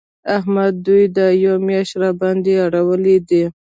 احمد دوی دا یوه مياشت راباندې اړولي دي.